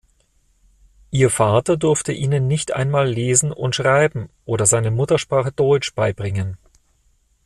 Ihr Vater durfte ihnen nicht einmal Lesen und Schreiben oder seine Muttersprache Deutsch beibringen.